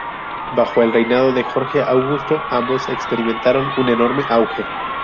Bajo el reinado de Jorge Augusto ambos experimentaron un enorme auge.